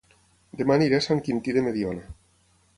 Dema aniré a Sant Quintí de Mediona